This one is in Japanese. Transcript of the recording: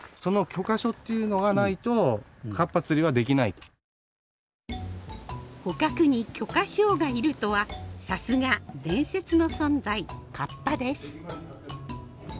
そうそうそう捕獲に許可証が要るとはさすが伝説の存在カッパです。